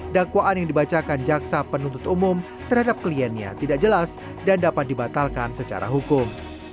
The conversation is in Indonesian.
dakwaan yang dibacakan jaksa penuntut umum terhadap kliennya tidak jelas dan dapat dibatalkan secara hukum